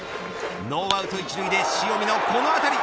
ノーアウト１塁で塩見のこの当たり。